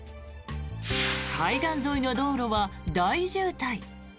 海岸沿いの道路は大渋滞。